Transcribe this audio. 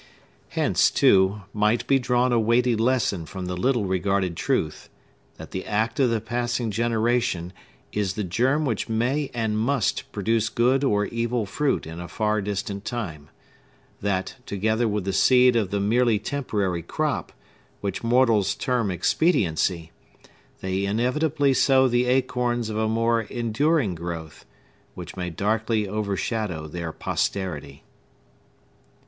Hence, too, might be drawn a weighty lesson from the little regarded truth, that the act of the passing generation is the germ which may and must produce good or evil fruit in a far distant time; that, together with the seed of the merely temporary crop, which mortals term expediency, they inevitably sow the acorns of a more enduring growth, which may darkly overshadow their posterity.